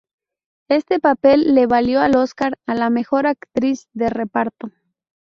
Este papel le valió el Óscar a la mejor actriz de reparto.